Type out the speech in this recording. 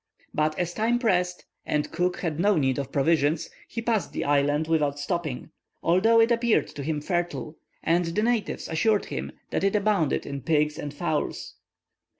But as time pressed, and Cook had no need of provisions, he passed the island without stopping, although it appeared to him fertile, and the natives assured him that it abounded in pigs and fowls.